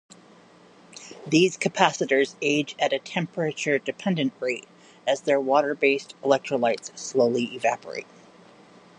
These capacitors age at a temperature-dependent rate, as their water based electrolytes slowly evaporate.